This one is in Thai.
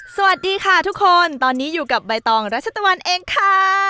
สวัสดีค่ะทุกคนตอนนี้อยู่กับใบตองรัชตะวันเองค่ะ